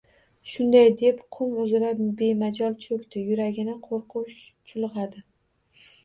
Shunday deb qum uzra bemajol cho‘kdi — yuragini qo‘rquv chulg‘adi.